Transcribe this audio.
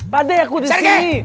pade aku disini